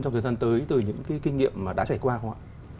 trong thời gian tới từ những kinh nghiệm đã xảy qua không ạ